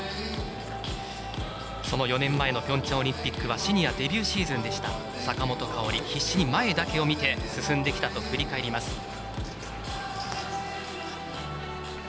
その４年前のピョンチャンオリンピックはシニアデビューシーズンでした坂本花織、必死に前だけを見て進んできたと振り返ります。